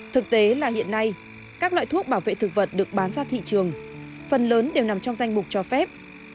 thực tế là hiện nay các loại thuốc bảo vệ thực vật được bán ra thị trường phần lớn đều nằm trong danh mục cho phép